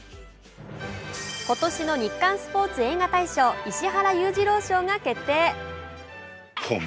今年の日刊スポーツ映画大賞・石原裕次郎賞が決定。